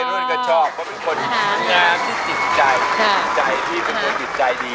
คือเป็นคนงามที่ติดใจที่เป็นคนติดใจดี